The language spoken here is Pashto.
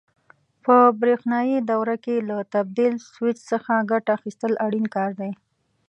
په برېښنایي دوره کې له تبدیل سویچ څخه ګټه اخیستل اړین کار دی.